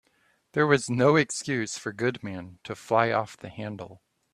There was no excuse for Goodman to fly off the handle.